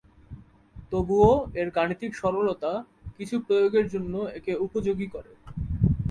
তবুও, এর গাণিতিক সরলতা কিছু প্রয়োগের জন্য একে উপযোগী করে।